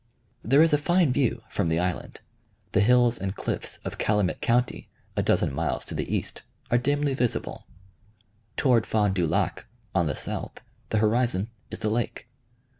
There is a fine view from the island. The hills and cliffs of Calumet County, a dozen miles to the east, are dimly visible. Toward Fond du Lac, on the south, the horizon is the lake.